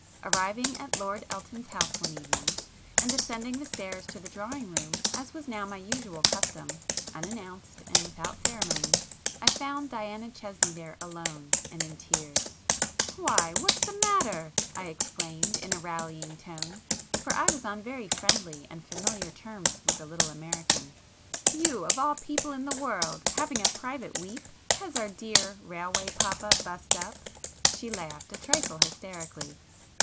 Arriving at Lord Elton's house one evening, and ascending the stairs to the drawing room as was now my usual custom, unannounced and without ceremony, I found Diana Chesney there alone and in tears. "Why, what's the matter?" I exclaimed in a rallying tone, for I was on very friendly and familiar terms with the little American—"You, of all people in the world, having a private 'weep'! Has our dear railway papa 'bust up'?" She laughed, a trifle hysterically.